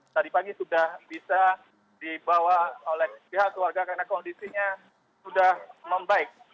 tadi pagi sudah bisa dibawa oleh pihak keluarga karena kondisinya sudah membaik